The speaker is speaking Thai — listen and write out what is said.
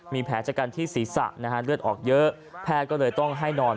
มีแผลชะกันที่ศีรษะนะฮะเลือดออกเยอะแพทย์ก็เลยต้องให้นอน